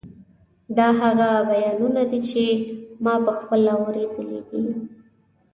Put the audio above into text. دا هغه بیانونه دي چې ما پخپله اورېدلي دي.